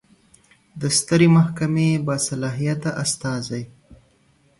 د سترې محکمې باصلاحیته استازی